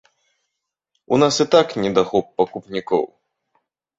У нас і так недахоп пакупнікоў!